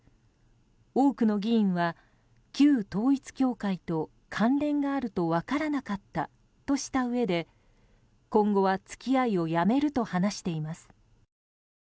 多くの議員は旧統一教会と関連があると分からなかったとしたうえで今後は付き合いをやめると話しています。